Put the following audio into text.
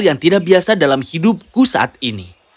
yang tidak biasa dalam hidupku saat ini